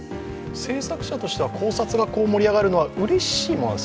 制作者としては考察が盛り上がるのはうれしいものですか？